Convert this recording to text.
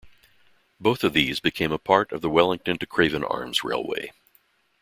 Both of these became a part of the Wellington to Craven Arms Railway.